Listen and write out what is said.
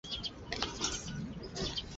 设为大兴安岭地区行政公署所在地。